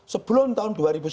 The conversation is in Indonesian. sebelum tahun berikutnya